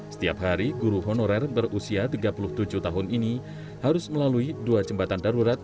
setiap hari guru honorer berusia tiga puluh tujuh tahun ini harus melalui dua jembatan darurat